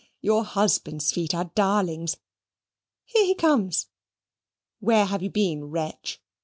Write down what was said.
Your husband's feet are darlings Here he comes. Where have you been, wretch?